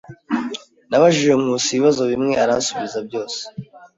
Nabajije Nkusi ibibazo bimwe aransubiza byose.